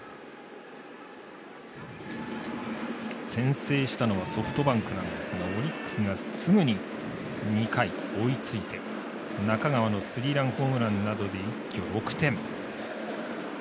先制したのはソフトバンクなんですがオリックスがすぐに２回、追いついて中川のスリーランホームランなどで一挙６点。